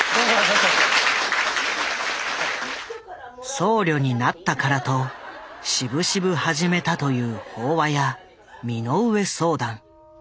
僧侶になったからとしぶしぶ始めたという法話や身の上相談。